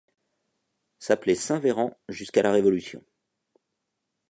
S'appelait Saint-Véran jusqu'à la Révolution.